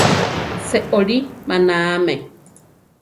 Seolí manáame.